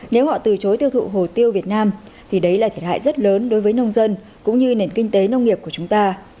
nếu họ từ chối tiêu thụ hồ tiêu việt nam thì đấy là thiệt hại rất lớn đối với nông dân cũng như nền kinh tế nông nghiệp của chúng ta